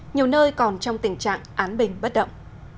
nhiều nơi còn trong tình trạng án bình bất động